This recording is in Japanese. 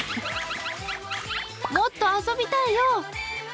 もっと遊びたいよー。